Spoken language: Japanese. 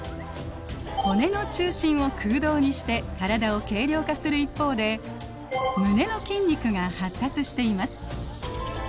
骨の中心を空洞にして体を軽量化する一方で胸の筋肉が発達しています。